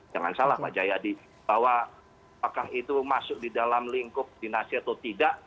jangan salah pak jayadi bahwa apakah itu masuk di dalam lingkup dinasti atau tidak